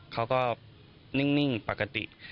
เขาก็นิ่งปกติ